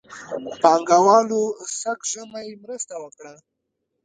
پانګهوالو سږ ژمی مرسته وکړه.